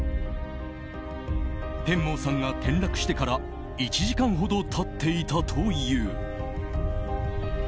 テンモーさんが転落してから１時間ほど経っていたという。